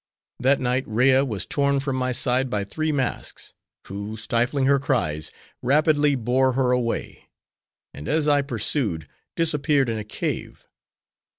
That night Rea was torn from my side by three masks; who, stifling her cries, rapidly bore her away; and as I pursued, disappeared in a cave.